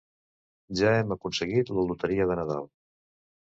Ja hem aconseguit la loteria de Nadal.